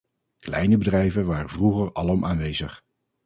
Kleine bedrijven waren vroeger alom aanwezig.